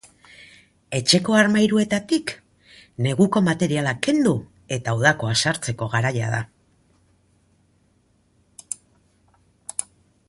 Etxeko armairuetatik, neguko materiala kendu eta udakoa sartzeko garaia da.